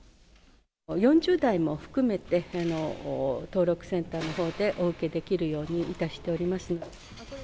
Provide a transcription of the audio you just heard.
４０代も含めて、登録センターのほうでお受けできるようにいたしております。